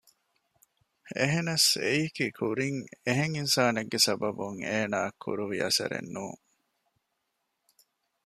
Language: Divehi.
އެހެނަސް އެއީކީ ކުރިން އެހެން އިންސާނެއްގެ ސަބަބުން އޭނާއަށް ކުރުވި އަސަރެއް ނޫން